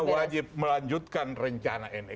jadi wajib melanjutkan rencana ini